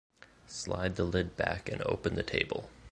Slide the lid back and open the table.